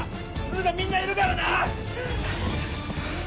みんないるからな！